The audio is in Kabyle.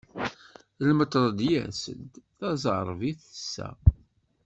Lmetred yers-d, taẓerbit tessa.